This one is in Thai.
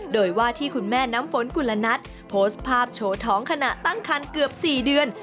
โดยว่าที่คุณแม่น้ำฝนกุลนัทโพสต์ภาพโชว์ท้องขณะตั้งคันเกือบ๔เดือน